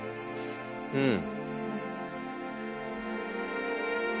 うん。